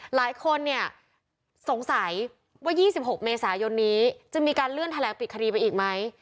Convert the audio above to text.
หลายคนเนี่ยสงสัยว่า๒๖เมษายนนี้จะมีการเลื่อนแถลงปิดคดีไปอีกไหม